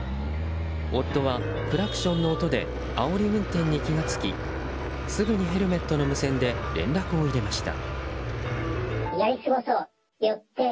夫はクラクションの音であおり運転に気が付きすぐにヘルメットの無線で連絡を入れました。